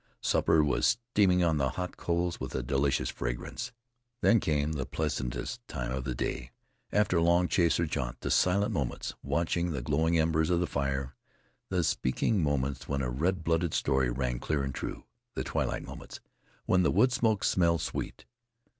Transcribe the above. Supper was steaming on the hot coals with a delicious fragrance. Then came the pleasantest time of the day, after a long chase or jaunt the silent moments, watching the glowing embers of the fire; the speaking moments when a red blooded story rang clear and true; the twilight moments, when the wood smoke smelled sweet.